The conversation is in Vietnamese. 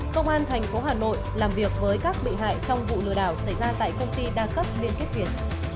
công an thành phố hà nội làm việc với các bị hại trong vụ lừa đảo xảy ra tại công ty đa cấp liên kết việt